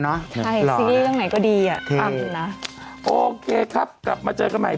น่ารักเรียนสีแล้วใช่ไหม